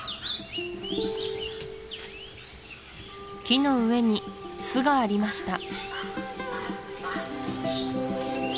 木の上に巣がありました